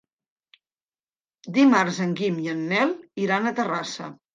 Dimarts en Guim i en Nel iran a Terrassa.